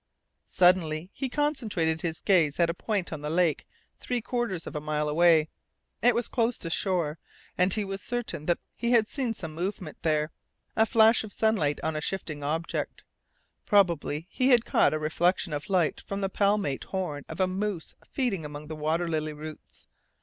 Suddenly he concentrated his gaze at a point on the lake three quarters of a mile away. It was close to shore, and he was certain that he had seen some movement there a flash of sunlight on a shifting object. Probably he had caught a reflection of light from the palmate horn of a moose feeding among the water lily roots.